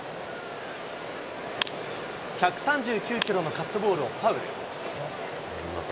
１３９キロのカットボールをファウル。